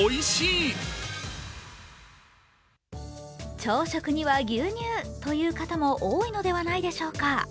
朝食には牛乳という方も多いのではないでしょうか。